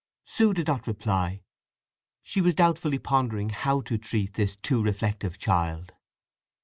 Sue did not reply. She was doubtfully pondering how to treat this too reflective child.